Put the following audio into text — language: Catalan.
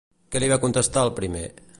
Què li va contestar el primer?